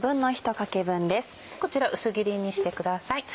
こちら薄切りにしてください。